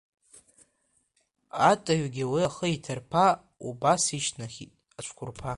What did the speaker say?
Атыҩгьы уи ахы иҭарԥа, убас ишьҭнахит ацәқәырԥа.